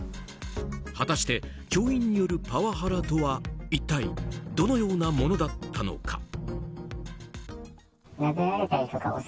果たして教員によるパワハラとは一体どのようなものだったのか。